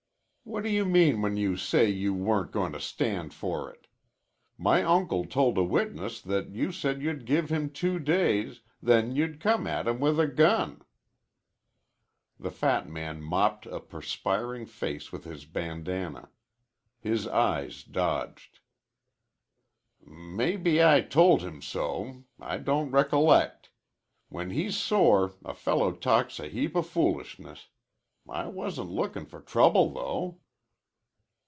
"What do you mean when you say you weren't goin' to stand for it. My uncle told a witness that you said you'd give him two days, then you'd come at him with a gun." The fat man mopped a perspiring face with his bandanna. His eyes dodged. "Maybe I told him so. I don't recollect. When he's sore a fellow talks a heap o' foolishness. I wasn't lookin' for trouble, though."